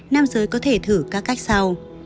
nam giới có thể thử các cách sau